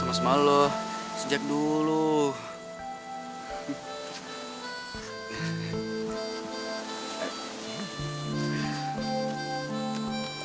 gak ada kesalahan gue sudah berhenti